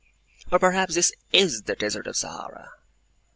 Or perhaps this IS the Desert of Sahara!